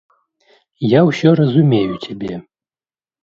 Я ўсё разумею цябе.